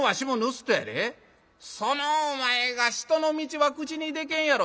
そのお前が『人の道』は口にでけんやろ」。